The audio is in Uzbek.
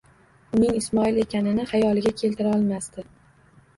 Uning Ismoil ekanini xayoliga keltira olmasdi.